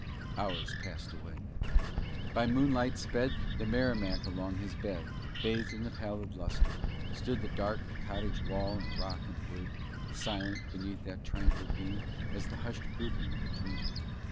Hours passed away. By moonlight sped The Merrimac along his bed. Bathed in the pallid lustre, stood Dark cottage wall and rock and wood, Silent, beneath that tranquil beam, As the hushed grouping of a dream.